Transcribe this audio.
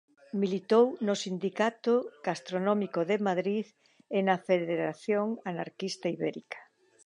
Militou no Sindicato Gastronómico de Madrid e na Federación Anarquista Ibérica.